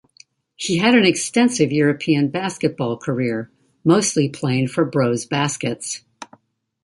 He had an extensive European basketball career, mostly playing for Brose Baskets.